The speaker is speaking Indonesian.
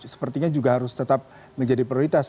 sepertinya juga harus tetap menjadi prioritas